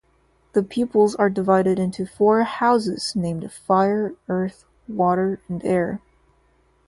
The pupils are divided into four "houses" named Fire, Earth, Water and Air.